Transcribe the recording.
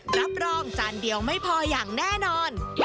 รับรองจานเดียวไม่พออย่างแน่นอน